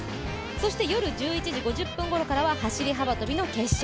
そして夜１１時５０分ごろからは走り幅跳びの決勝。